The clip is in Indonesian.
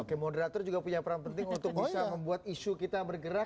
oke moderator juga punya peran penting untuk bisa membuat isu kita bergerak